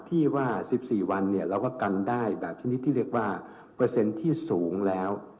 ที่ว่า๑๔วันเราก็กันได้แบบชนิดที่เรียกว่าเปอร์เซ็นต์ที่สูงแล้ว